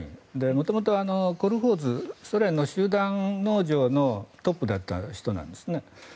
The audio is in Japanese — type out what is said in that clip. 元々、コルホーズソ連の集団農場のトップだった人なんです。